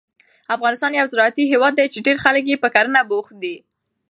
افغانستان یو زراعتي هېواد دی چې ډېری خلک یې په کرنه بوخت دي.